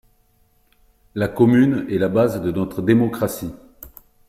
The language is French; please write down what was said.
La commune est la base de notre démocratie.